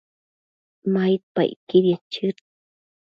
maidpacquidiec chëd